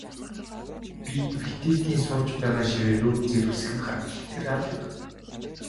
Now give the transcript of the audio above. Би Витекийн сууж байгаа ширээ рүү зэрвэсхэн хартал тэр алга.